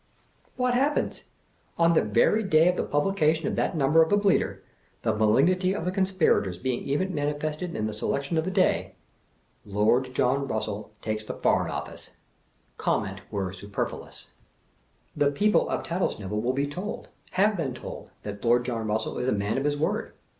What happens? On the very day of the publication of that num ber of the Bleater — the malignity of the conspirators being even manifested in the selection of the day — Lord John Russell takes the Foreign Office ! Comment were super fluous. The people of Tattlesnivel will be told, have been told, that Lord John Russell is a man of his word.